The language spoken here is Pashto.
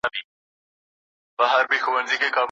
ماجبینه